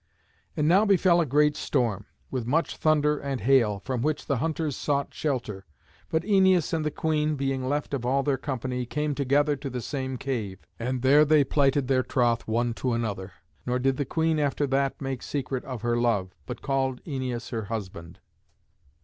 And now befell a great storm, with much thunder and hail, from which the hunters sought shelter. But Æneas and the queen, being left of all their company, came together to the same cave. And there they plighted their troth one to another. Nor did the queen after that make secret of her love, but called Æneas her husband.